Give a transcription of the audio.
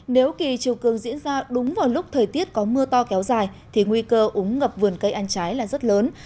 nếu kỳ chiều cường diễn ra đúng vào lúc thời tiết có mưa to kéo dài thì nguy cơ úng ngập vườn cây ăn trái là rất lớn